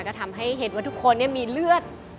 ก็ทำให้เห็นว่าทุกคนมีเลือด